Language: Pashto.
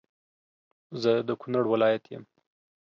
زه د کونړ ولایت یم